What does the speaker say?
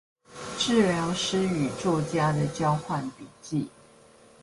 治療師與作家的交換筆記